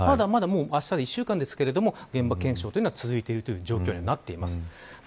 あしたで１週間ですが現場検証は続いているという状況になっています。